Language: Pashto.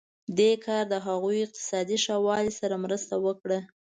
دې کار د هغوی اقتصادي ښه والی سره مرسته وکړه.